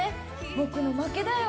僕の負けだよ。